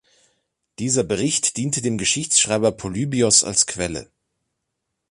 Dieser Bericht diente dem Geschichtsschreiber Polybios als Quelle.